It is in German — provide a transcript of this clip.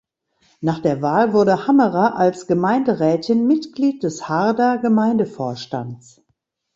Nach der Wahl wurde Hammerer als Gemeinderätin Mitglied des Harder Gemeindevorstands.